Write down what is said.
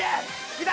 左！